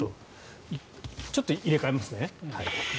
ちょっと入れ替えますね。